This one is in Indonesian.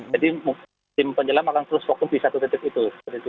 jadi tim penyelam akan terus fokus di satu titik itu